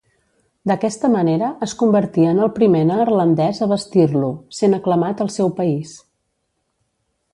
D'aquesta manera es convertia en el primer neerlandès a vestir-lo, sent aclamat al seu país.